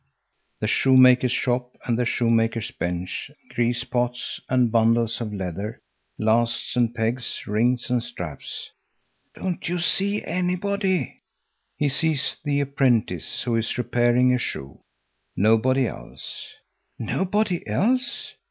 The shoemaker's shop and the shoemaker's bench, grease pots and bundles of leather, lasts and pegs, rings and straps. "Don't you see anybody?" He sees the apprentice, who is repairing a shoe. Nobody else, nobody else?